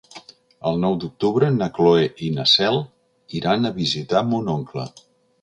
El nou d'octubre na Cloè i na Cel iran a visitar mon oncle.